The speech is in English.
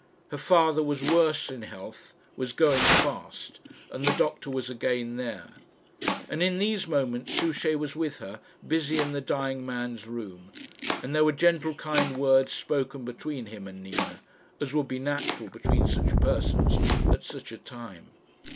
Her father was worse in health, was going fast, and the doctor was again there. And in these moments Souchey was with her, busy in the dying man's room; and there were gentle kind words spoken between him and Nina as would be natural between such persons at such a time.